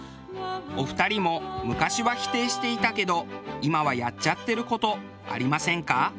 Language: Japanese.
お二人も昔は否定していたけど今はやっちゃってる事ありませんか？